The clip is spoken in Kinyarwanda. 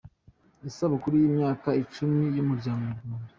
Isabukuru y’imyaka icumi y’Umuryango nyarwanda